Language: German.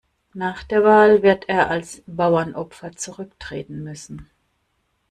Nach der Wahl wird er als Bauernopfer zurücktreten müssen.